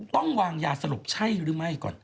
ต้องวางยาสลบใช่หรือไม่ก่อน